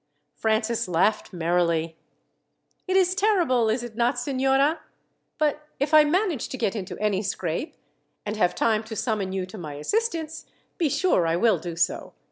Francis laughed merrily. "It is terrible, is it not, signora? But if I manage to get into any scrape, and have time to summon you to my assistance, be sure I will do so.